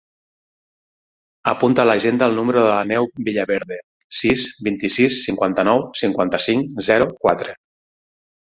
Apunta a l'agenda el número de l'Aneu Villaverde: sis, vint-i-sis, cinquanta-nou, cinquanta-cinc, zero, quatre.